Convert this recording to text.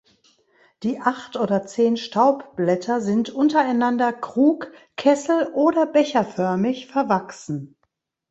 Die acht oder zehn Staubblätter sind untereinander krug-, kessel- oder becherförmig verwachsen.